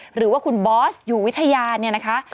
หรือว่าคุณบอสอยู่วิทยาเนี่ยนะคะ